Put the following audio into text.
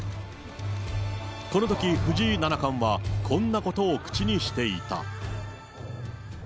このとき、藤井七冠はこんなことを口にしていた。